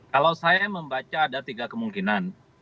kalau saya membaca ada tiga kemungkinan